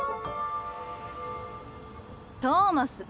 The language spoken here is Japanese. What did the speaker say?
トーマス！